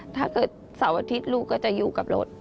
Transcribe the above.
เสาร์อาทิตย์ลูกก็จะอยู่กับรถ